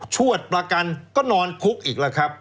วดประกันก็นอนคุกอีกแล้วครับ